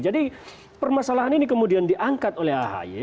jadi permasalahan ini kemudian diangkat oleh ahi